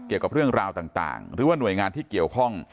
เกี่ยวกับเรื่องราวต่างหรือว่าหน่วยงานที่เกี่ยวข้อง